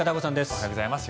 おはようございます。